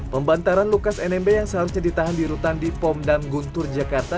pembantaran lukas nmb yang seharusnya ditahan di rutan di pom dan guntur jakarta